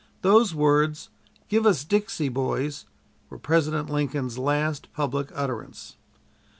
Those words, "Give us 'Dixie,' boys," were President Lincoln's last public utterance.